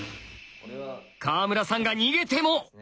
川村さんが逃げても。